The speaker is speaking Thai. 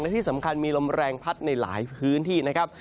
และที่สำคัญมีลมแรงพัดในหลายพื้นที่นะครับ